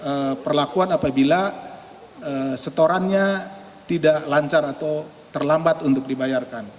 itu salah satu perlakuan apabila setorannya tidak lancar atau terlambat untuk dibalik